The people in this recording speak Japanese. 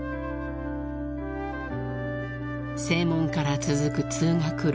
［正門から続く通学路